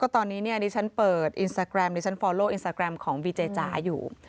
ตอนนี้ดิฉันเปิดอินสตาแกรมดิฉันฟอร์โลอินสตาแกรมของบีเจจ๋าอยู่